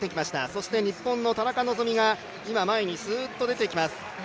そして日本の田中希実が前にすーっと出てきます。